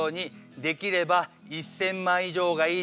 できれば１，０００万以上がいいです。